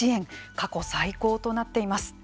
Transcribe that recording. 過去最高となっています。